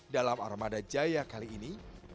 dalam armada jaya kali ini